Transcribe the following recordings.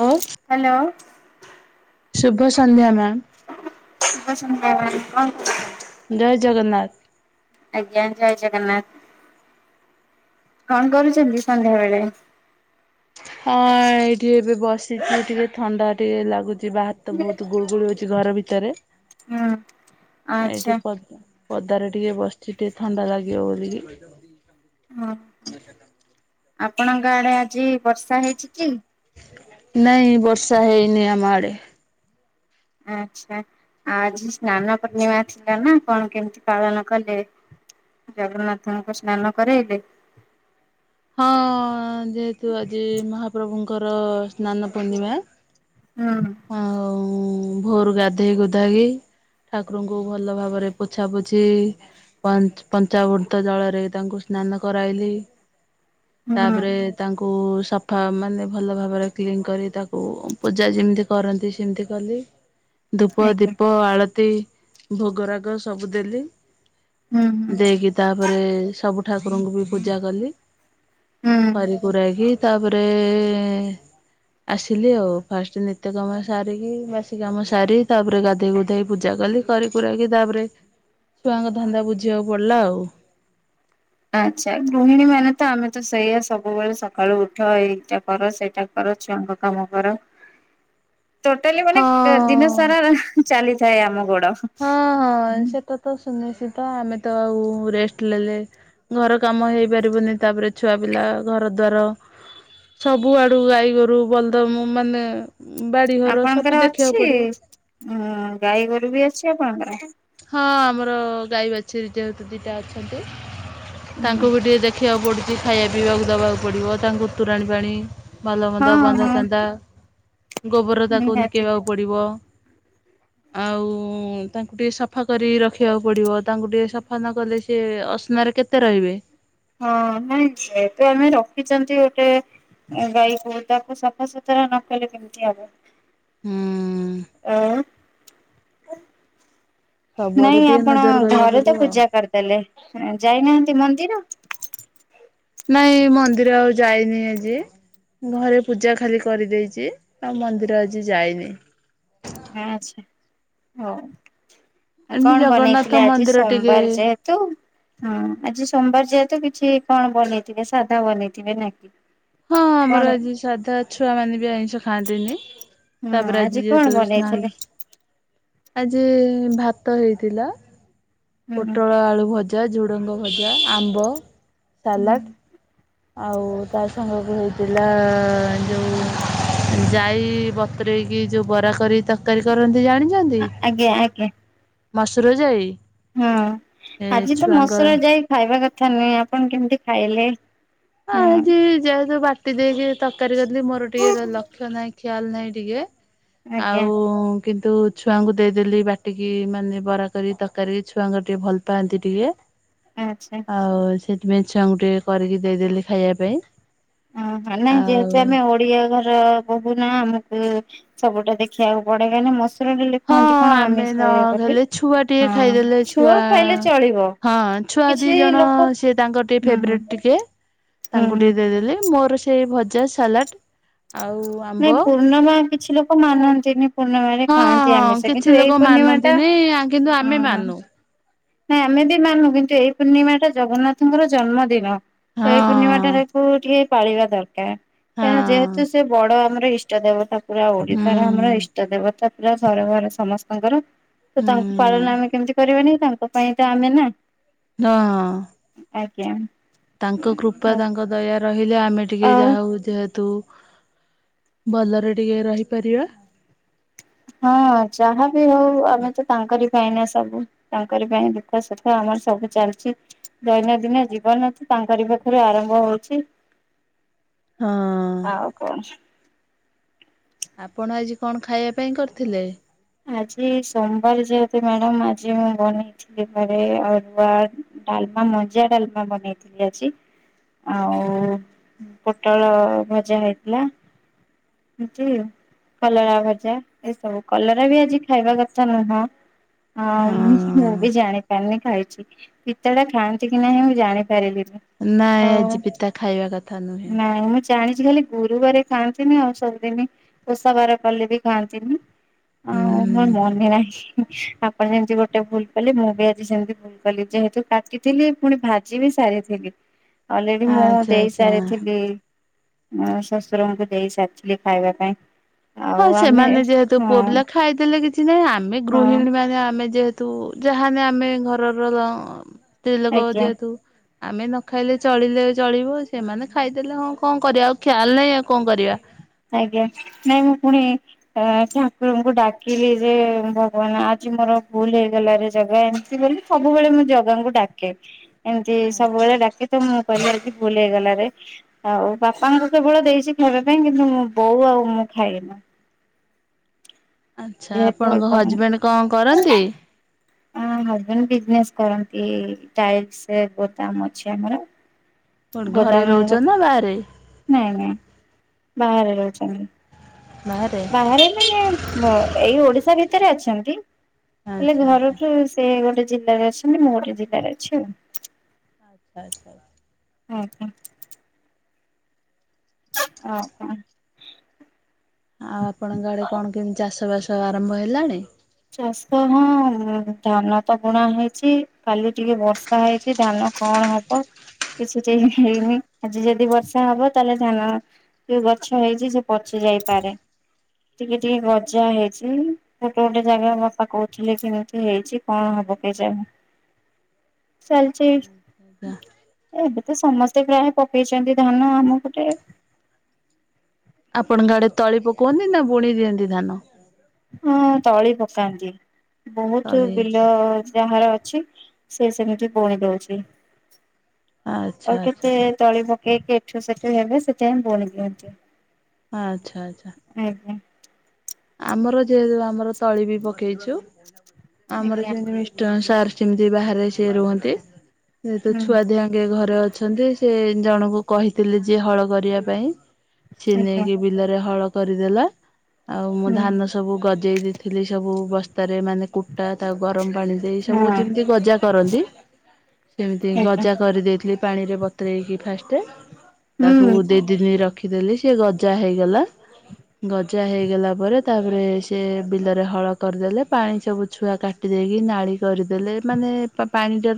ଓ hello. ଶୁଭ ସନ୍ଧ୍ୟା ma'am. ଶୁଭ ସନ୍ଧ୍ୟା ମ୍ୟାମ କୁହନ୍ତୁ। ଜୟ ଜଗନ୍ନାଥ। ଆଜ୍ଞା ଜୟ ଜଗନ୍ନାଥ। କଣ କରୁଛନ୍ତି ସନ୍ଧ୍ୟା ବେଳେ? ହଁ ଏଇଠି ଏବେ ବସିଛି ଟିକେ ଥଣ୍ଡା ଟିକେ ଲାଗୁଛି। ଯିବା ହାତ ତ ବହୁତ ଗୁଳୁଗୁଳି ଗୁଳି ହଉଛି ଘର ଭିତରେ ହୁଁ ଆଚ୍ଛା ଏଇଠି ପ ପଦାରେ ଟିକେ ବସିଚି ଟିକେ ଥଣ୍ଡା ଲାଗିିବ ବୋଲିକି। ହଁ ଆପଣଙ୍କ ଆଡେ ଆଜି ବର୍ଷା ହେଇଛି କି? ନାଇଁ ବର୍ଷା ହେଇନି ଆମ ଆଡ଼େ। ଆଛା ଆଜି ସ୍ନାନ ପୂର୍ଣ୍ଣିମା ଥିଲା ନା କଣ କେମିତି ପାଳନ କଲେ? ଜଗନ୍ନାଥ ନଙ୍କ ସ୍ନାନ କରରେଲେ ହଁ ଯେହେତୁ ଆଜି ମହାପ୍ରଭୁଙ୍କର ସ୍ନାନ ପୂର୍ଣ୍ଣିମା ହଁ। ଉଁ ଭୋରୁ ଗାଧେଇ ଗୁଧେଇକି ଠାକୁରଙ୍କୁ ଭଲ ଭାବରେ ପୋଛା ପୋଛି ପଞ୍ଚାବୃତ ଜଳରେ ତାଙ୍କୁ ସ୍ନାନ କରାଇଲି। ହୁଁ ତାପରେ ତା ଙ୍କୁ ସଫା ମାନେ ଭଲ ଭାବରେ କ୍ଲିନ୍ କରି ତାକୁ ପୂଜା ଯେମିତି କରନ୍ତି ସେମିତି କଲି ଧୂପ ଆଜ୍ଞା। ଦୀପ ଆଳତି ଭୋଗ ରାଗ ସବୁ ଦେଲି ହୁଁ ହୁଁ ଦେଇକି ତାପରେ ସବୁ ଠାକୁରଙ୍କୁ ବି ପୂଜା କଲି ହୁଁ। କରିକୁରା କି ତାପରେ ଏଇ ଆସିଲି ଆଉ ଫାଷ୍ଟ ନିତ୍ୟ କାମ ସାରିକି ବାସି କାମ ସାରି ତାପରେ ଗାଧେଇ ଗୁଧା କି ଇ ପୂଜା କଲି କରିକୁକି ତାପରେ ଛୁଆଙ୍କ ଧନ୍ଦା ବୁଝିବାକୁ ପଡିଲା ଆଉ। ଆଚ୍ଛା ଗୃହିଣୀ ମାନେ ତ ଆମେ ତ ସେଇଆ ସବୁବେଳେ ସକାଳୁ ଉଠ ଏଇଟା କର ସେଇଟା କର। ଛୁଆଁଙ୍କ କାମ କର। ଟୋଟାଲି ମାନେ କ୍ ଦିନ ହଁ। ସାରା ଚାଲିଥାଏ ଆମ ଗୋଡ ହଁ ହଁ ସେଟା ତ ସୁନିଶ୍ଚିତ ଆମେ ତ ଆଉ ରେଷ୍ଟ ଲେଲେ ଘର କାମ ହେଇପାରିବନି ତାପରେ ଛୁଆ ପିଲା ଘର ଦ୍ୱାର ସବୁ ଆଡୁ ଗାଈଗୋରୁ ବଲଦ ମୁଁ ମାନେ ବାଡିଘର ସବୁ ଆପଣଙ୍କର ଦେଖିବାକୁ ଅଛି ପଡିବ। ଉ ଗାଈ ଗୋରୁ ବି ଅଛି ଆପଣଙ୍କର ର ଗାଈ ବାଛୁରୀ ଟେ ଦିଇଟା ଅଛନ୍ତି ହୁଁ ତାଙ୍କୁ ବି ଟିକେ ଦେଖିବାକୁ ପଡ଼ୁଛି ଖାଇବା ପାଇଁ ପିବାକୁ ଦବାକୁ ପଡିବ ତାଙ୍କୁ ଉ ତୋରାଣି ପାଣି ଭଲ ମନ୍ଦ ହଁ ବାନ୍ଧା ହଁ ଛଧା ଗୋବର ତାକୁ ନିହାତି। ନିକେଇବାକୁ ପଡିବ ଆଉ ଉଁ ତାଙ୍କୁ ଟିକେ ସଫା କରି ରଖିବାକୁ ପଡିବ ତାଙ୍କୁ ଟିକେ ସଫା ନକଲେ ସି ଅସନାରେ କେତେ ରହିବେ। ହଁ ନାଇଁ ସେ ତୁ ଆମେ ରଖିଛନ୍ତି ଗୋଟେ ଗାଈକୁ ତାକୁ ସଫାସତୁରା ନ କଲେ କେମିତି ହବ? ହଁ। ଆଉ। ସବୁଆଡୁ ନାଇଁ ଟିକେ ଆପଣ ନଜର କରିବାକୁ ଘରେ ତ ପଡିବ ଆଉ। ପୂଜା କରିଦେଲେ ଯାଇନାହାନ୍ତି ମନ୍ଦି ମନ୍ଦିର। ନାଇଁ ମନ୍ଦିର ଆଉ ଯାଇନି ଆଜି ଘରେ ପୂଜା ଖାଲି କରିଦେଇଛି ଆଉ ମନ୍ଦିର ଆଜି ଯାଇନି। ଆଛା ହଉ। ଆଉ ଏମତି କଣ ଜଗନ୍ନାଥ ବନେଇଥିଲେ ଆଜି ମନ୍ଦିର ଟିକେ ସୋମବାର ଯେହେତୁ ସୋମବାର ଯେହେ ତୁ କିଛି କଣ ବନେଇଥିବେ ସାଧା ବନେଇଥିବେ ନା କି? ହଁ କଣ ଆମର ଆଜି ସାଧା ଛୁଆ ମାନେ ବି ଆଇଁଷ ଖାଆନ୍ତିନି। ତା ହୁଁ ପରେ ଆଜି କଣ ଯେହେତୁ ବନେଇଥିଲେ ସ୍ନାନ ଆଜି ଭାତ ହେଇଥିଲା। ହୁଁ। ପୋଟଳ ଆଳୁ ଭଜା, ଝୁଡଙ୍ଗ ଭଜା, ଆମ୍ବ ସାଲାଡ ଆଉ ତା ସାଙ୍ଗ କୁ ହେଇ ପିଲା ଯେଉଁ ଯାଇ ବତୁରେଇ କି ଯୋଉ ବରା କରି ତରକାରୀ କରନ୍ତି ଜାଣି ଆଜ୍ଞା ଆଜ୍ଞା। ମସୁର ଯାଇ। ହଁ ଏ ଆଜି ତ ଛୁଆଙ୍କର ମସୁର ଯାଇ ଖାଇବା କଥା ନୁହେଁ ଆପଣ କେମିତି ଖାଇଲେ? ହଁ ହୁଁ ଆଜି ଯେହେତୁ ବାଟି ଦେଇକି ତରକାରୀ କଲିି ଦେଲି ମୋର ଟିକେ ଲକ୍ଷ ନାହିଁ। ଖିଆଲ ନାହିଁ ଟିକେ ଆଜ୍ଞା ଆଉ କିନ୍ତୁ ଛୁଆଙ୍କୁ ଦେଇଦେଲି ବାଟିକି ମାନେ ବରା କରି ତରକାରୀ ଛୁଆଙ୍କର ଟିକେ ଭଲ ପାଆନ୍ତି ଟିକେ। ଆଚ୍ଛା। ଆଉ ସେଥିପାଇଁ ଛୁଆଙ୍କୁ ଟିକେ କରିକି ଦେଇଦେଲି ଖାଇବା ପାଇଁ ଓହ ନାଇଁ ଯେହେତୁ ଆଉ ଆମେ ଓଡିଆ ଘର ବହୁ ନା ଆମକୁ ସବୁଟା ଦେଖିବାକୁ ପଡେ କାହିଁ ନା [unintelligible] ବୋଲି ହଁ କୁହନ୍ତି କଣ ଆମେ ନ ଆମିଷ ବୋଲି ହେଲେ ଛୁଆ ଟିକେ ଖାଇଦେଲେ ଛୁଆ ଖାଇଲେ ଚଳିବ। ହଁ ଛୁଆ ଦି କିଛି ଜଣ ଲୋକ ସିଏ ତାଙ୍କର ଟିକେ ହୁଁ ହୁଁ ଫେବରେଟ ଟିକେ ହୁଁ ତାଙ୍କୁ ହୁଁ। ଟିକେ ଦେଇଦେଲି ମୋର ସେ ସେ ଭଜା ସାଲାଟ୍। ନାଇଁ ପୂର୍ଣମା କିଛି ଲୋକ ମାନନ୍ତିନି। ପୂର୍ଣ୍ଣମାରେ ହଁ ଖାଆନ୍ତି ହଁ ଆମିଷ କିଛି କିନ୍ତୁ ଲୋକ ଏଇ ପୂର୍ଣ୍ଣିମା ଟା ମାନନ୍ତିନି କିନ୍ତୁ ହଁ ଆମେ ହଁ ମାନୁ ନାଇଁ ଆମେ ବି ମାନୁ କିନ୍ତୁ ଏଇ ପୂର୍ଣ୍ଣିମା ଟା ଜଗନ୍ନାଥଙ୍କର ଜନ୍ମଦିନ। ହଁ ଏଇ ପୂର୍ଣ୍ଣିମା ଟାରେ ଟିକୁ ଟିକେ ପାଳିବା ଦରକାର ହଁ କାହିଁକି ଯେହେତୁ ସେ ବଡ ଆମର ଇଷ୍ ଇଷ୍ଟ ଦେବତା ପୁରା ଓଡିଶାର ଆମର ହୁଁ ଇଷ୍ଟ ଦେବତା ପୁରା ସର ଘର ସମସ୍ତଙ୍କର। ତ ତାଙ୍କୁ ହୁଁ ପାଳନ ଆମେ କେମତି କରିବାନି ତାଙ୍କ ପାଇଁ ତ ଆମେ ନା ହଁ ହଁ। ଆଜ୍ଞା। ତାଙ୍କ କୃପା ତାଙ୍କ ଦୟା ରହିଲେ ଆମେ ଟିକେ ଆଉ ଯାଉ ଯେହେତୁ ଭଲରେ ଟିକେ ରହିପାରିବା। ହଁ ଯାହାବି ହଉ ଆମେ ତ ତାଙ୍କରି ପାଇଁନା। ସବୁ ତାଙ୍କରି ପାଇଁ ଦୁଃଖ ସୁଖ ଆମର ସବୁ ଚାଲିଛି ଦୈନନ୍ଦିନ ଜୀବନ ତ ତାଙ୍କରି ପାଇଁ। ପାଖରୁ ଆରମ୍ଭ ହଉଛି ହଁ ଆଉ କଣ? ଆପଣ ଆଜି କଣ ଖାଇବା ପାଇଁ କରିଥିଲେ? ଆଜି ସୋମବାର ଯେହେତୁ ମ୍ୟାଡାମ ଆଜି ମୁଁ ବନେଇଥିଲି ଘରେ ଅରୁଆ ଡାଲମା ମଞ୍ଜିଆ ଡାଲମା ବନେଇଥିଲି ଆଜି। ଆଉ ପୋଟଳ ଭଜା ହେଇଥିଲା। [unintelligible] କଲରା ଭଜା ଏସବୁ କଲ ରା ବି ଆଜି ଖାଇବା କଥା ନୁହଁ। ହଁ ମୁଁ ବି ଜାଣିପାରିନି ଖାଇଛି ପିତା ଟା ଖାଆନ୍ତି କି ନାହିଁ ମୁଁ ଜାଣିପାରିଲିନି। ନାଇଁ ହଉ ଆଜି ପିତା ଖାଇବା କଥା ନୁହେଁ। ନାଇଁ ମୁଁ ଜାଣିଛି ଖାଲି ଗୁରୁବାରେ ଖାଆନ୍ତିନି ଆଉ ସବୁଦିନି ଓଷାବାର କଲେ ବି ଖାଆନ୍ତି ନି। ହଁ ମୋର ହୁଁ ମନେ ନାହିଁ। ଆପଣ ଯେମିତି ଗୋଟେ ଭୁଲ କଲେ ମୁଁ ବି ଆଜି ସେମିତି ଭୁଲ କଲି ଯେହେତୁ କାଟିଥିଲି ପୁଣି ଭାଜିବି ସାରିଥିଲି ଅଲରେଡି ମୁଁ ଆଚ୍ଛା ଦେଇ ଆଚ୍ଛା। ସାରିଥିଲି ହଁ ଶଶୁରଙ୍କୁ ଦେଇ ସାରିଥିଲି ଖାଇବା ପାଇଁ। ହଁ ଆଉ ଆମେ ସେମାନେ ଯେହେତୁ ପୁଅ ହଁ ପିଲା ଖାଇଦେଲେ କିଛି ନାହିଁ ଆମେ ହଁ ଗୃହିଣୀ ମାନେ ଆମେ ଯେହେତୁ ଯାହାନେ ଆମେ ଘରର ଲ ସ୍ତ୍ରୀ ଲୋକ ଆଜ୍ଞା ଯେହେତୁ। ଆମେ ନ ଖାଇଲେ ଚଳିଲେ ଚଳିବ ସେମାନେ ଖାଇଦେଲେ ହଁ କଣ କରିବା ଆଉ ଖିଆଲ ନାହିଁ ଆଉ କଣ କରିବା। ଆଜ୍ଞା ନାଇଁ ମୁଁ ପୁଣି ଠାକୁରଙ୍କୁ ଡାକିଲି ଯେ ଭଗବାନ ଆଜି ଯି ମୋର ଭୁଲ ହେଇଗଲା ରେ ଜଗା ଏମିତି ବୋଲି ସବୁବେଳେ ମୁଁ ଜଗାଙ୍କୁ ଡାକେ। ଏମିତି ଆଚ୍ଛା ସବୁବେଳେ ଡାକି ତ ମୁଁ କହିଲି ଅମିତ୍ ଭୁଲ ହେଇଗଲାରେ ଆଉ ବାପାଙ୍କୁ କେବଳ ଦେଇଛି ଖାଇବା ପାଇଁ କି ନ୍ତୁ ମୋ ବୋଉ ଆଉ ମୁଁ ଖାଇନୁ। ଆଚ୍ଛା ଯେହେତୁ ଆପଣଙ୍କ ଅଳ୍ପ ହଜବେଣ୍ଡ କଣ କରନ୍ତି? ଆଁ ହଜବେଣ୍ଡ ବିଜନେସ୍ କରନ୍ତି ଟାଇଲସ ଗୋ ଦାମ ଅଛି ଆମର। କୋଉଠି ଘରେ ଗୋଦାମ ରହୁଛନ୍ତି ନା ବାହାରେ? ନାଇଁ ନାଇଁ ବାହାରେ ରହୁଛନ୍ତି। ବାହାରେ ମାନେ ଏଇ ଓଡିଶା ଭିତରେ ଅଛନ୍ତି। ହେଲେ ଆଚ୍ଛା ଆଚ୍ଛା ଘରଠୁ ସେ ଗୋଟେ ଜିଲ୍ଲାରେ ଅଛନ୍ତି ମୁଁ ଗୋଟେ ଜିଲ୍ଲାରେ ଅଛି ଆଉ। ଆଚ୍ଛା ଆଚ୍ଛା। ଆଜ୍ଞା। ଓ ହୋ। ଆଉ ଆପଣଙ୍କ ଆଡେ କଣ କେମିତି ଚାଷ ବାସ ଆରମ୍ଭ ହେଲାଣି? ଚାଷ ହଁ ଧାନ ତ ବୁଣା ହେଇଚି କାଲି ଟିକେ ବର୍ଷା ହେଇଚି ଧାନ କଣ ହବ? କିଛି ତ ହେଇନି ଆଜି ଯଦି ବର୍ଷା ହବ ତାହେଲେ ଧାନ ଯୋଉ ଗଛ ହେଇଚି ସେ ପଚି ଯାଇପାରେ ଟିକେ ଟିକେ ଗଜା ହେଇଚି ଗୋଟେ ଗୋଟେ ଜାଗା ବାପା କହୁଥିଲେ ଏମିତି ହେଇଚି କଣ ହବ କେଜାଣି? ଚାଲିଛି ଆଚ୍ଛା ଆଚ୍ଛା। ଏବେ ତ ସମସ୍ତେ ପ୍ରାୟ ପକେଇଚନ୍ତି ଧାନ ଆମ ପଟେ। ଆପଣଙ୍କ ଆଡେ ତଳି ପକୁଅନ୍ତି ନା ବୁଣି ଦିଅନ୍ତି ଧାନ? ହଁ ତଳି ପକାନ୍ତି ବୋହୁତ ତଳି ବିଲ ଯାହାର ସେ ସେମିତି ବୁଣି ଦୋଉଚି ଆଚ୍ଛା ଆଉ ଆଚ୍ଛା କେତେ ତଳି ପ କେ କେ ଏଠୁ ସେଠୁ ହେବେ ସେଥିପାଇଁ ବୁଣି ଦିଅନ୍ତି। ଆଚ୍ଛା ଆଚ୍ଛା। ଆଜ୍ଞା ଆମର ଯେହେତୁ ଆମର ତଳି ବି ପକେଇଚୁ ଆମର ଆଜ୍ଞା ଯେମତି ମିଷ୍ଟର୍ ସାର୍ ଯେମିତି ବାହାରେ ସିଏ ରୁହନ୍ତି ଯେହେତୁ ହୁଁ ଛୁଆ ଦିହାଙ୍କେ ଘରେ ଅ ଅଛନ୍ତି ସେ ଜଣଙ୍କୁ କହିଥିଲେ ଯିଏ ହଳ କରିବା ପାଇଁ ସିଏ ଆଜ୍ଞା ନେଇକି ବିଲରେ ହଳ କରିଦେଲା ଆଉ ମୁଁ ହୁଁ ଧାନ ସବୁ ଗଜେଇ ଦେଇଥିଲି ସବୁ ବ ସ୍ତାରେ ମାନେ କୁଟା ତାକୁ ଗରମ ପାଣି ଦେଇ ହଁ ସବୁ ଯେମିତି ଗଜା କରନ୍ତି। ସେମିତି ଆଜ୍ଞା ଗଜା କରିଦେଇଥିଲି। ପାଣିରେ ବତୁରେଇକି ଫାଷ୍ଟ ତାକୁ ହୁଁ ଦି ଦିନି ର ରଖିଦେଲି ସେ ଗଜା ହେଇଗଲା ଗଜା ହେଇ ହେଲା ପରେ ତାପରେ ସେ ବିଲରେ ହଳ କରିଦେଲେ ପାଣି ସବୁ ଛୁଆ କାଟି ଦେଇକି ନାଳି କରିଦେଲେ ମାନେ ପା-ପାଣି ଟା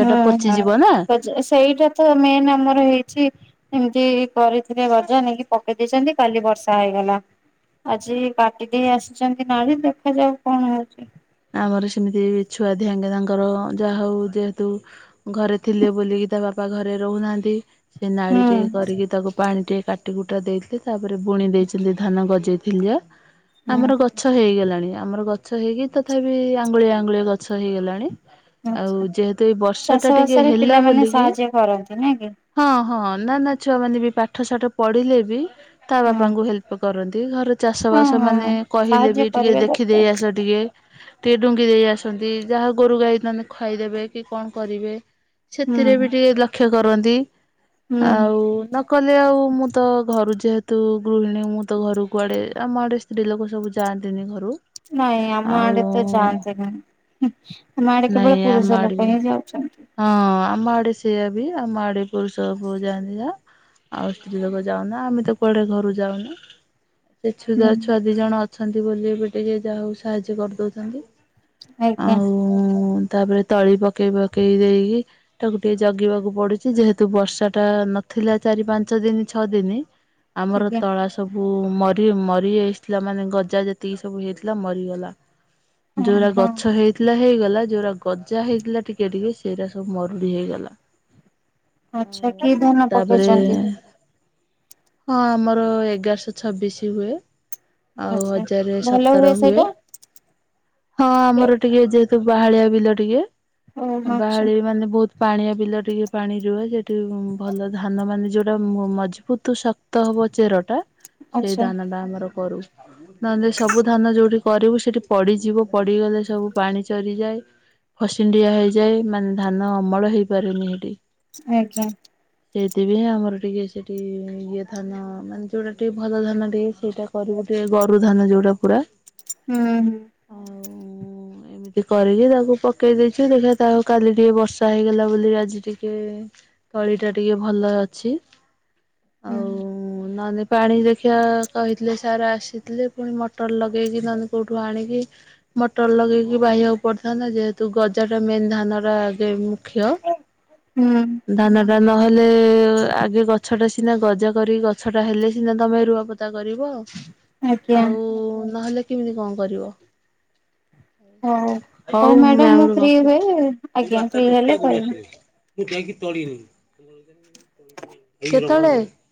ହୁଁ ହୁଁ [unintelligible] ସେଇଟା ତ ମେନ୍ ଆମର ହେଇଚି। ଏମିତି କରିଥିଲେ ଗଜା ନେଇକି ପକେଇ ଦେଇଚନ୍ତି କାଲି ବର୍ଷା ହେଇଗଲା। ଆଜି କାଟି ଦେଇ ଆସିଚନ୍ତି ନାଳି ଦେଖାଯାଉ କଣ ହୋଉଚି। ଆମର ସେମିତି ଛୁଆ ଧିଆଙ୍କେ ତାଙ୍କର ଯାହା ହୋଉ ଯେହେତୁ ଘରେ ଥିଲେ ବୋଲିକି ତା ବାପା ଘରେ ରହୁନାହାନ୍ତି ସେ ନାଳି ହୁଁ ଟେ କରିକି ତାକୁ ପାଣି ଟେ କାଟି କୁଟା ଦେଇଥିଲେ ତାପରେ ବୁଣି ଦେଇଥିଲେ ଧାନ ଗଜେଇଥିଲି ଯା ହୁଁ ଆମର ଗଛ ହେଇଗଲାଣି ଆମର ଗଛ ହେଇକି ତଥାପି ଆଙ୍ଗୁଳିଏ ଆଙ୍ଗୁଳିଏ ଗଛ ହେଇଗଲାଣି। ଆଉ ଆଛା ଯେହେତୁ ଏଇ ଚାଷ ବର୍ଷାଟା ଟିକେ ବାସରେ ହେଲା ପିଲାମାନେ ବୋଲିକି ସାହାଯ୍ୟ କରନ୍ତି ନାଇଁ କି ହଁ ହଁ। ନା ନା ଛୁଆ ମାନେ ବି ପାଠ ସାଠ ପଢିଲେ ବି ତା ହୁଁ ବାପାଙ୍କୁ ହେଲ୍ପ କରନ୍ତି ଘରେ ହଁ ଚାଷବାସ ମାନେ ହଁ। କହିଲେ ସାହାଯ୍ୟ ବି ଟିକେ କରିବା ଦରକାର ଦେଖିଦେଇ ଆସ ଟିକେ। ଟିକେ ଡୁଙ୍ଗି ଦେଇ ଆସନ୍ତି ଯାହା ଗୋରୁ ଗାଈ ନହେଲେ ଖାଇଦେବେ କି କଣ କରିବେ। ହୁଁ ସେଥିରେ ବି ଟିକେ ଲକ୍ଷ୍ୟ କରନ୍ତି ହୁଁ ଆଉ ନକଲେ ଆଉ ମୁଁ ତ ଘରୁ ଯେହେତୁ ଗୃହିଣୀ ମୁଁ ତ ଘର କୁଆଡ଼େ ଆମ ଆଡ଼େ ସ୍ତ୍ରୀ ଲୋକ ସବୁ ଯାଆନ୍ତିନି ଘରୁ। ନାଇଁ ଆମ ଆଉ ଆଡେ ତ ଯାଆନ୍ତି ନାହିଁ ଆମ ଆଡେ କେବଳ ନାଇଁ ଆମ ପୁରୁଷ ଆଡେ ଲୋକ ବି ହିଁ ଯାଉଚନ୍ତି। ହଁ ଆମ ଆଡେ ସେଇଆ ବି ଆମ ଆଡେ ପୁରୁଷ ପୁଅ ଯାଆନ୍ତି ଯାହା। ଆଉ ସ୍ତ୍ରୀ ଲୋକ ଯାଉନା ଆମେ ତ କୁଆଡେ ଘରୁ ଯାଉନୁ। ସେ ଛୁ ହୁଁ ଛୁଆ ଦି ଜଣ ଅଛନ୍ତି ବୋଲି ଏବେ ଟିକେ ଯାହା ହୋଉ ସାହାଯ୍ୟ କରିଦଉଚନ୍ତି। ଆଜ୍ଞା। ତାପରେ ତଳି ପକେଇବ ପକେଇ ଦେଇକି ତାକୁ ଟିକେ ଜଗିବାକୁ ପଡୁଚି ଯେହେତୁ ବର୍ଷାଟା ନଥିଲା ଚାରି ପାଞ୍ଚ ଦିନି ଛଅ ଦିନି ଆମର ଆଜ୍ଞା। ତଳା ସ ବୁ ମରି ମରିଆସିଥିଲା ମାନେ ଗଜା ଯେତିକି ସବୁ ହେଇଥିଲା ମରିଗଲା। ଯୋଉରା ଓହୋ ଗଛ ହେଇଥିଲା ହେଇଗଲା ଯୋଉରା ଗଜା ହେଇଥିଲା ଟି କେ ସେଇରା ସବୁ ମରୁଡି ହେଇଗଲା। ଆଚ୍ଛା କି ଆଉ ଧାନ ତାପରେ ପକେଇଚନ୍ତି? ହଁ ଆମର ଏଗାରଶହ ଛବିଶି ହୁଏ। ଆଉ ଆଚ୍ଛା ହଜାରେ ଭଲ ସତର ହୁଏ ସେଇଟା? ହଁ ଆମର ଟିକେ ଯେ ତ ବାହାଳିଆ ବିଲ ଟିକେ। ଓହୋ ଆଚ୍ଛା ବାହାଳି ମାନେ ବହୁତ୍ ପାଣିଆ ବିଲ ଟିକେ ପାଣି ରୁହେ ସେଠି ଭଲ ଧାନ ମାନେ ଯୋଉଟା ମ ମଜବୁତ୍ ଶକ୍ ଶକ୍ତ ହବ ଚେରଟା ସେଇ ଆଚ୍ଛା ଧାନଟା ଆମର କରୁ। ନହେଲେ ସବୁ ଧାନ ଯୋଉଠି କରିବୁ ସେଠି ପଡିଯିବ ପଡିଗଲେ ସବୁ ପାଣି ଚରିଯାଏ। ଖସିଣ୍ଡିଆ ହେଇଯାଏ ମାନେ ଧାନ ଅମଳ ହେଇପାରୁନି ହେଠି। ଆଜ୍ଞା। ସେଇଥିପାଇଁ ଆମର ଟିକେ ସେଠି ଇଏ ଧାନ ମାନେ ଯୋଉଟା ଟିକେ ଭଲ ଧାନ ଟିକେ ସେଇଟା କରିବୁ। ଟିକେ ଗରୁ ଧାନ ଯୋଉଟା ପୁରା। ହୁଁ-ହୁଁ। ଆଉ ଏମିତି କରିକି ତାକୁ ପକେଇ ଦେଇଛି ଦେଖିବା ଯାହେଉ କାଲି ଟିକେ ବର୍ଷା ହେଇଗଲା ବୋଲି ଆଜି ଟିକେ ତଳିଟା ଟିକେ ଭଲ ଅଛି। ହୁଁ। ଆଉ ନହେଲେ ପାଣି ଦେଖିବା କହିଥିଲେ ସାର୍ ଆସିଥିଲେ ପୁଣି ମଟର ଲଗେଇକି ନହେଲେ କୋଉଠୁ ଆଣିକି ମଟର ଲଗେଇକି ବାହିବାକୁ ପଡିଥାନ୍ତା ଯେହେତୁ ଗଜାଟା ମେନ୍ ଧାନଟା ଆଗେ ମୁଖ୍ୟ ହୁଁ। ହୁଁ ଧାନଟା ନହେ ହେଲେ ଆଗେ ଗଛଟା ସିନା ଗଜା କରି ଗଛଟା ହେଲେ ସିନା ତମେ ରୁଆପୋତା [inaudible] କରିବ ଆଜ୍ଞା ଆଉ ନହେଲେ କେମିତି କଣ କରିବ। ହଉ, ହଉ ମ୍ୟାଡାମ ମ୍ୟାମ ମୁଁ ରୁ ଫ୍ରି ରଖୁଛି ହୁଏ ଆଜ୍ଞା ଫ୍ରି ହେଲେ କହିବି। ମୁଁ ଯାଇକି ତଡି ଦେବି।